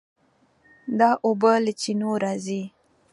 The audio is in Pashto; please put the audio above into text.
دا اوبه له چینو راځي.